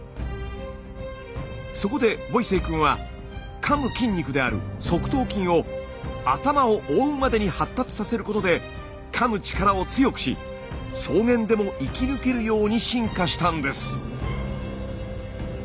そこでボイセイくんはかむ筋肉である側頭筋を頭を覆うまでに発達させることでかむ力を強くし草原でも生き抜けるように進化したんです。